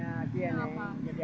alhamdulillah jadi abarnya